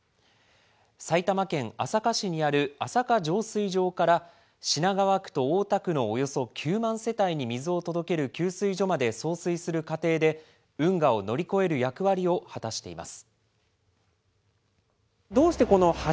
埼玉県朝霞市にある朝霞浄水場から品川区と大田区のおよそ９万世帯に水を届ける給水所まで送水する過程で、運河を乗り越える役割を果たしています。